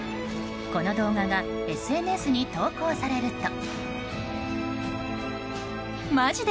この動画がＳＮＳに投稿されると。